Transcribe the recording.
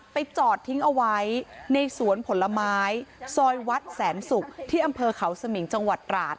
จอดทิ้งเอาไว้ในสวนผลไม้ซอยวัดแสนศุกร์ที่อำเภอเขาสมิงจังหวัดตราด